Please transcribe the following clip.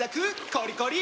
コリコリ！